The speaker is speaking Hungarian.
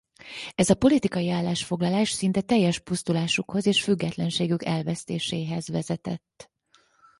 Ez a politikai állásfoglalás szinte teljes pusztulásukhoz és függetlenségük elvesztéséhez vezetett.